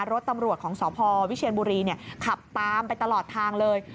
รถตำรวจของสพวิเชียนบุรีขับตามไปตลอดทางเลย